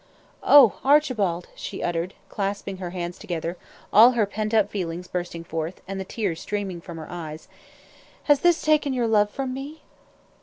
"Oh, Archibald!" she uttered, clasping her hands together, all her pent up feelings bursting forth, and the tears streaming from her eyes, "has this taken your love from me?"